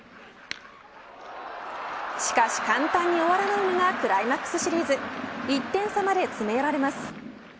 しかし、簡単に終わらないのがクライマックスシリーズ１点差まで詰め寄られます。